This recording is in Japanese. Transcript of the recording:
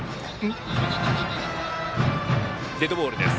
デッドボールです。